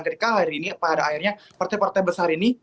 ketika hari ini pada akhirnya partai partai besar ini